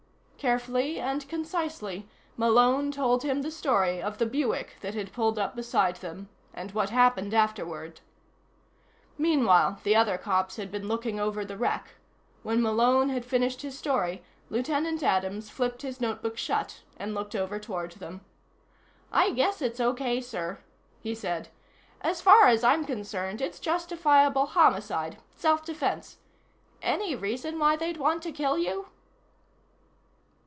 Carefully and concisely, Malone told him the story of the Buick that had pulled up beside them, and what happened afterward. Meanwhile, the other cops had been looking over the wreck. When Malone had finished his story, Lieutenant Adams flipped his notebook shut and looked over toward them. "I guess it's okay, sir," he said. "As far as I'm concerned, it's justifiable homicide. Self defense. Any reason why they'd want to kill you?"